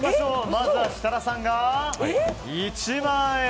まずは設楽さんが１万円。